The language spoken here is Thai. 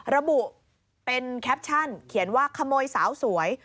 ระบุเป็นแคปชั่นเขียนว่าขโมยสาวสวย